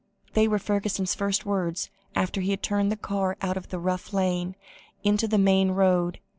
They were Fergusson's first words after he had turned the car out of the rough lane, into the main road.